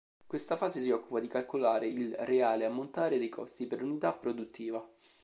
Questa fase si occupa di calcolare il reale ammontare dei costi per unità produttiva.